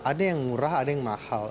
ada yang murah ada yang mahal